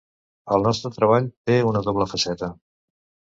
El nostre treball té una doble faceta.